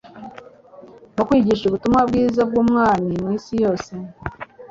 Mu kwigisha ubutumwa bwiza bw'ubwami mu isi yose,